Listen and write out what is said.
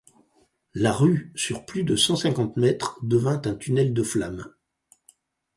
La rue sur plus de cent cinquante mètres devint un tunnel de flammes.